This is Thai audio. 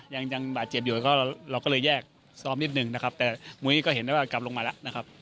ยังยังบาดเจ็บอยู่ก็เราก็เลยแยกซ้อมนิดนึงนะครับแต่มุ้ยก็เห็นได้ว่ากลับลงมาแล้วนะครับ